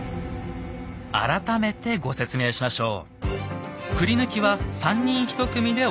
改めてご説明しましょう。